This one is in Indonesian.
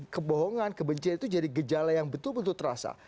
kebohongan kebencian itu jadi gejala yang betul betul terasa